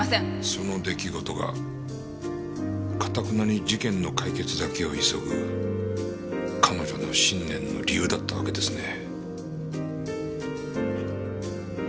その出来事が頑なに事件の解決だけを急ぐ彼女の信念の理由だったわけですね。